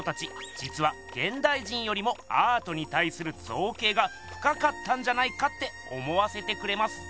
じつはげんだい人よりもアートにたいするぞうけいがふかかったんじゃないかって思わせてくれます。